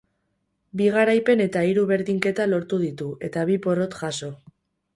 Bi garaipen eta hiru berdinketa lortu ditu, eta bi porrot jaso.